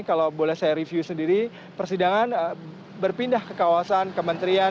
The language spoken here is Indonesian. kalau boleh saya review sendiri persidangan berpindah ke kawasan kementerian